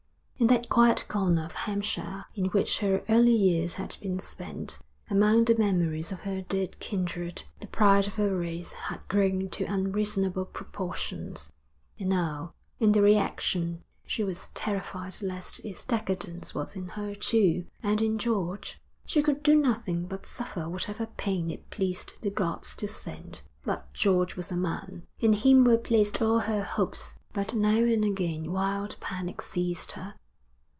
In that quiet corner of Hampshire in which her early years had been spent, among the memories of her dead kindred, the pride of her race had grown to unreasonable proportions; and now in the reaction she was terrified lest its decadence was in her, too, and in George. She could do nothing but suffer whatever pain it pleased the gods to send; but George was a man. In him were placed all her hopes. But now and again wild panic seized her.